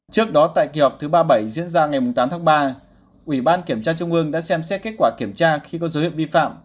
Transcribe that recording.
trước đó tại kỳ họp thứ ba mươi bảy diễn ra ngày tám tháng ba ủy ban kiểm tra trung ương đã xem xét kết quả kiểm tra khi có dấu hiệu vi phạm